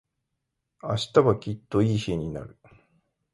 明日はきっといい日になる。